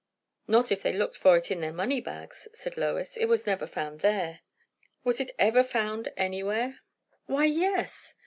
"Not if they looked for it in their money bags," said Lois. "It was never found there." "Was it ever found anywhere?" "Why, yes!"